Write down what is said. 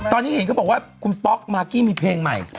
ตอนนี้เห็นเขาบอกว่าคุณป๊อกมากกี้มีเพลงใหม่